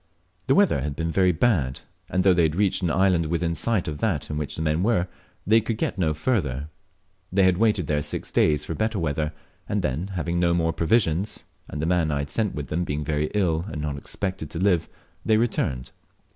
The weather had been very bad, and though they had reached an island within sight of that in which the men were, they could get no further. They had waited there six days for better weather, and then, having no more provisions, and the man I had sent with them being very ill and not expected to live, they returned.